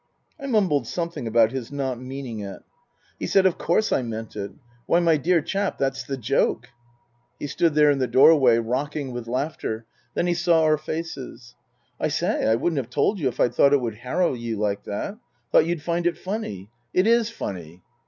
I mumbled something about his rjot meaning it. 4* 52 Tasker Jevons He said, " Of course I meant it Why, my dear chap, that's the joke !" He stood there in the doorway, rocking with laughter. Then he saw our faces. " I say, I wouldn't have told you if I'd thought it would harrow you like that. Thought you'd think it funny. It is funny."